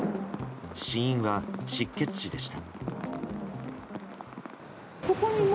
死因は失血死でした。